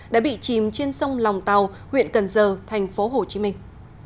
đã bị chìm trên sông lòng tàu huyện cần giờ thành phố hồ chí minh